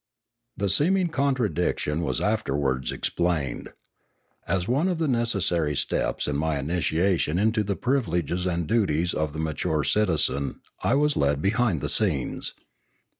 The seeming contradiction was afterwards explained. As one of the necessary steps in my initiation into the privileges and duties of the mature citizen I was led behind the scenes.